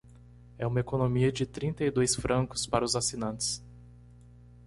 É uma economia de trinta e dois francos para os assinantes.